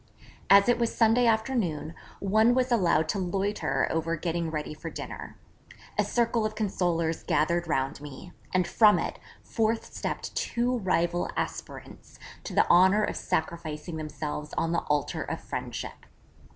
As it was Sunday afternoon, one was allowed to loiter over getting ready for dinner; a circle of consolers gathered round me, and from it, forth stepped two rival aspirants to the honour of sacrificing themselves on the altar of friendship.